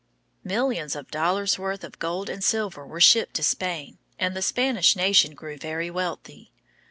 Millions of dollars' worth of gold and silver were shipped to Spain, and the Spanish nation grew very wealthy.